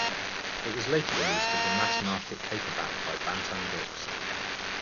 It was later released as a mass-market paperback by Bantam Books.